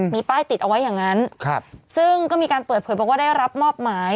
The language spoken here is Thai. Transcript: มีป้ายติดเอาไว้อย่างนั้นซึ่งก็มีการเปิดเผยบอกว่าได้รับมอบหมาย